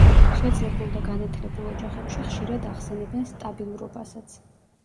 შეძლებულ და განათლებულ ოჯახებში ხშირად ახსენებენ სტაბილურობასაც.